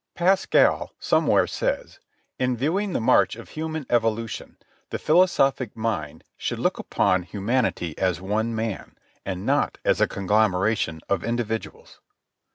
Pascal somewhere says: "In viewing the march of human evolution, the philosophic mind should look upon humanity as one man, and not as a conglomeration of individuals."